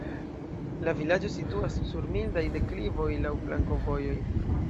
La vilaĝo situas sur mildaj deklivoj, laŭ flankovojoj.